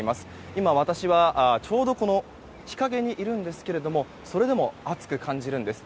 今、私はちょうど日陰にいるんですがそれでも暑く感じるんです。